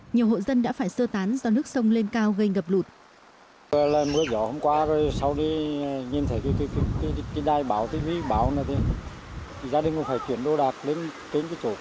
nhiều hộ dân đã phải sơ tán do nước sông lên cao gây ngập lụt